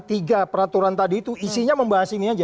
tiga peraturan tadi itu isinya membahas ini aja